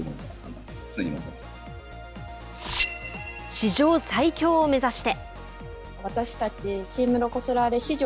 史上最強を目指して。